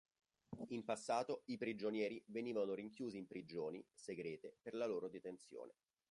In passato, i prigionieri venivano rinchiusi in prigioni, segrete per la loro detenzione.